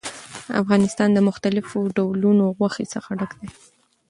افغانستان له مختلفو ډولونو غوښې څخه ډک دی.